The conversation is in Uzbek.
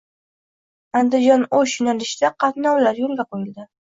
"Andijon-O‘sh" yo‘nalishida qatnovlar yo‘lga qo‘yildi